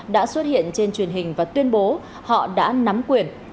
đã xuất hiện trên truyền hình và tuyên bố họ đã nắm quyền